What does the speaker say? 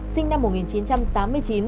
sinh năm một nghìn chín trăm tám mươi chín